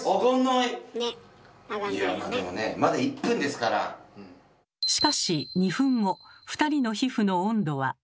いやまあでもねしかし２分後２人の皮膚の温度は。